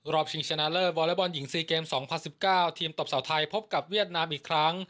ชิงชนะเลิศวอเล็กบอลหญิง๔เกม๒๐๑๙ทีมตบสาวไทยพบกับเวียดนามอีกครั้ง